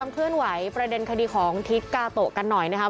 เคลื่อนไหวประเด็นคดีของทิศกาโตะกันหน่อยนะครับ